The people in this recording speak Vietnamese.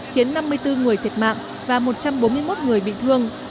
khiến năm mươi bốn người thiệt mạng và một trăm bốn mươi một người bị thương